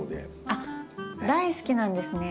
あっ大好きなんですね。